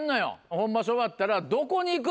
本場所終わったらどこに行く？